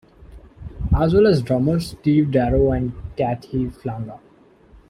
As well as drummers Steve Darrow and Cathy Flanga.